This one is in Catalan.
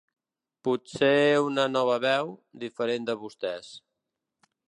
Potser una veu nova, diferent de vostès.